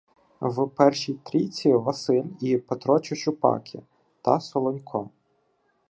В першій трійці Василь і Петро Чучупаки та Солонько.